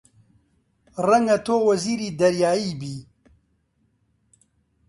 ڕەنگە تۆ وەزیری دەریایی بی!